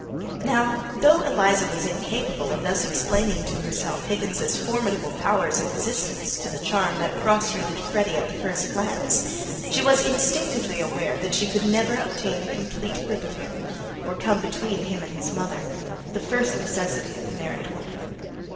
Now, though Eliza was incapable of thus explaining to herself Higgins's formidable powers of resistance to the charm that prostrated Freddy at the first glance, she was instinctively aware that she could never obtain a complete grip of him, or come between him and his mother (the first necessity of the married woman).